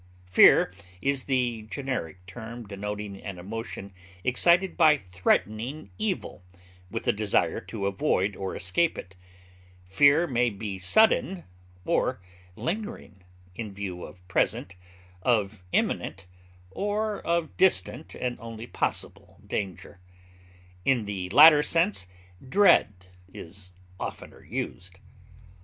Fear is the generic term denoting an emotion excited by threatening evil with a desire to avoid or escape it; fear may be sudden or lingering, in view of present, of imminent, or of distant and only possible danger; in the latter sense dread is oftener used.